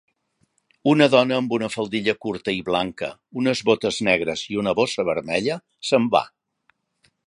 Una dona amb una faldilla curta i blanca, unes botes negres i una bossa vermella se'n va.